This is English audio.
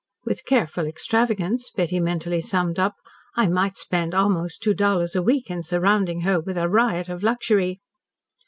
"With careful extravagance," Betty mentally summed up, "I might spend almost two dollars a week in surrounding her with a riot of luxury."